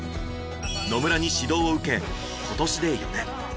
野村に指導を受け今年で４年。